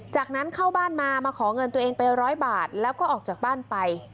จากนั้นเข้าบ้านมามาขอเงินตัวเองไปร้อยบาทแล้วก็ออกจากบ้านไป